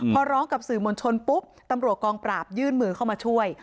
พอร้องกับสื่อมวลชนปุ๊บตำรวจกองปราบยื่นมือเข้ามาช่วย